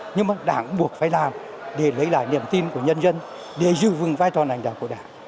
nhưng mà đảng buộc phải làm để lấy lại niềm tin của nhân dân để giữ vững vai trò lãnh đạo của đảng